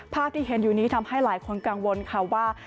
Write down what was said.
ภาพที่เห็นอยู่นี้ทำให้หลายคนกังวลค่ะว่า